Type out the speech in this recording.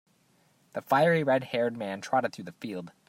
The fiery red-haired man trotted through the field.